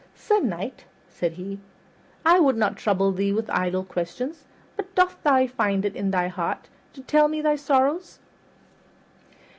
"Sir Knight," said he, "I would not trouble thee with idle questions; but dost thou find it in thy heart to tell me thy sorrows?"